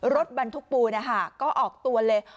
รถบรรทุกปูนก็ออกตัวเลย